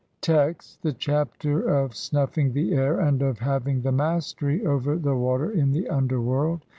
1 07 Text: (1) The Chapter of snuffing the air and of HAVING THE MASTERY OVER THE WATER IN THE UNDERWORLD.